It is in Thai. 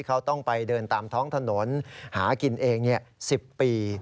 เขาต้องไปเดินตามท้องถนนหากินเอง๑๐ปี